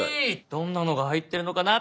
どんなのが入ってるのかな？